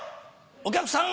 お客さん